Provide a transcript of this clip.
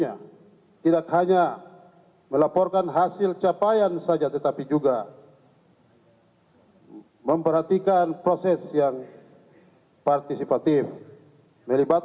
kami berharap bapak presiden akan menemukan kemampuan yang lebih baik untuk membangun bapak presiden